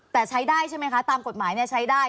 แต่ใช้ได้ใช่ไหมคะตามกฎหมายใช้ได้